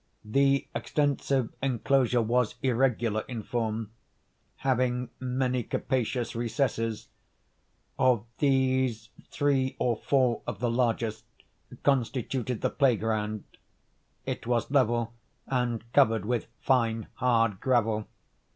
The extensive enclosure was irregular in form, having many capacious recesses. Of these, three or four of the largest constituted the play ground. It was level, and covered with fine hard gravel.